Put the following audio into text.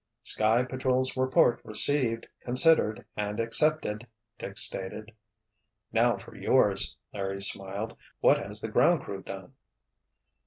"Sky Patrol's report received, considered and accepted," Dick stated. "Now for yours," Larry smiled. "What has the Ground Crew done?"